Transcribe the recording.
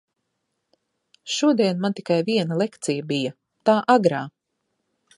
Šodien man tikai viena lekcija bija, tā agrā.